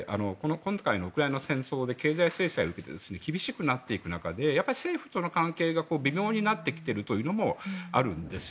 今回のウクライナ戦争で経済制裁を受けて厳しくなっていく中で政府との関係が微妙になってきているところもあるんです。